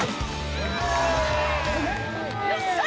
よっしゃ！